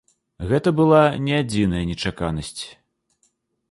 Гэта была не адзіная нечаканасць.